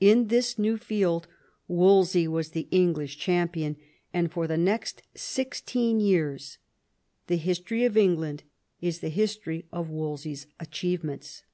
In this new field Wolsey was the English champion, and for the next sixteen years the history of England is the history of Wolsey's achievements.